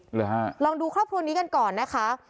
หรือฮะลองดูครอบครัวนี้กันก่อนนะคะ